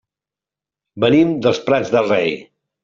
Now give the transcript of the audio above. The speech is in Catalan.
Venim dels Prats de Rei.